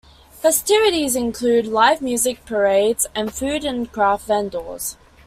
Festivities include live music, parades, and food and craft vendors.